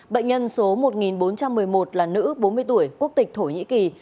bệnh nhân số một nghìn bốn trăm một mươi một là nữ bốn mươi tuổi quốc tịch thổ nhĩ kỳ